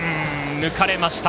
抜かれました。